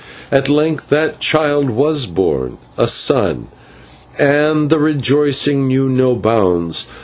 At length that child was born a son and the rejoicing knew no bounds.